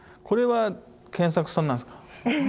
これは研作さんなんですか？